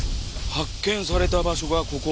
発見された場所がここ。